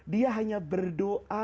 dia hanya berdoa